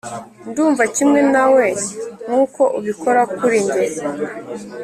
ndumva kimwe nawe nkuko ubikora kuri njye.